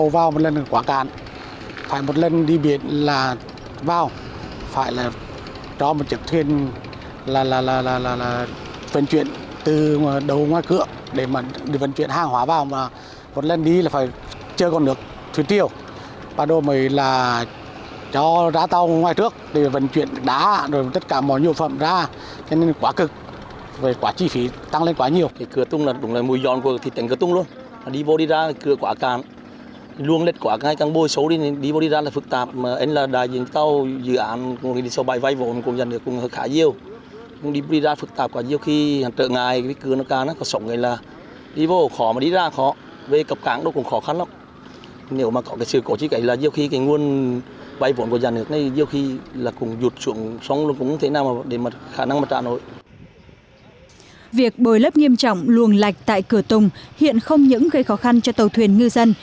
việc bồi lớp nghiêm trọng luồng lạch tại cửa tùng hiện không những gây khó khăn cho tàu thuyền ngư dân